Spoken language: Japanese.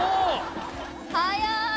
速い！